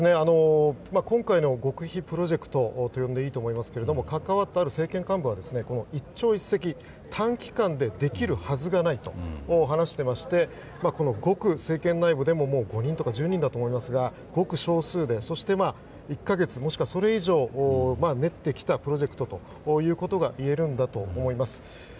今回の極秘プロジェクトと呼んでいいと思いますけど関わった、ある政権幹部は一朝一夕、短期間でできるはずがないと話していまして政権内部でも５人とか１０人だと思いますがごく少数で、そして１か月もしくはそれ以上練ってきたプロジェクトということがいえると思います。